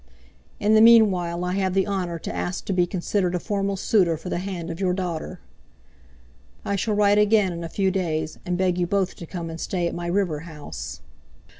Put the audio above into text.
In the meanwhile I have the honor to ask to be considered a formal suitor for the hand of your daughter. I shall write again in a few days and beg you both to come and stay at my river house.